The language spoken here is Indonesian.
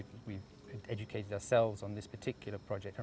kita mempelajari kita sendiri dalam proyek ini